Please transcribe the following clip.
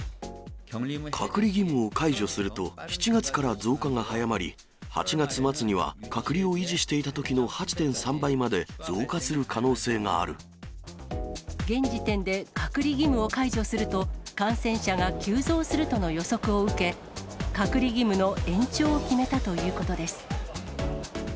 隔離義務を解除すると、７月から増加が早まり、８月末には隔離を維持していたときの８．３倍まで増加する可能性現時点で隔離義務を解除すると、感染者が急増するとの予測を受け、隔離義務の延長を決めたということです。